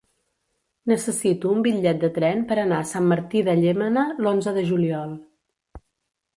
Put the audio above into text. Necessito un bitllet de tren per anar a Sant Martí de Llémena l'onze de juliol.